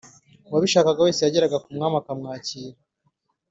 Uwabishakaga wese yageraga ku mwami akamwakira.